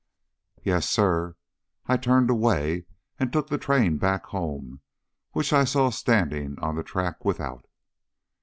"Yes, sir. I turned away and took the train back home, which I saw standing on the track without."